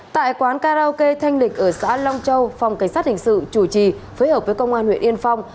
tại quán karaoke thanh lịch ở xã long châu phòng cảnh sát hình sự chủ trì phối hợp với công an huyện yên phong